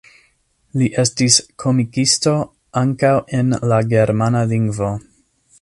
Li estis komikisto ankaŭ en la germana lingvo.